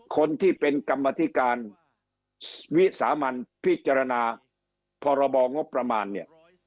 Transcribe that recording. คนที่เป็นกรรมธิการวิสามันพิจารณาพรบงบประมาณเนี่ย